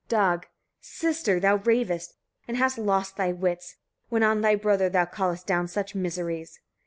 Dag. 32. Sister! thou ravest, and hast lost thy wits, when on thy brother thou callest down such miseries.